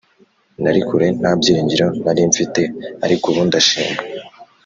Narikure ntabyiringiro narimfite Arikubu ndashima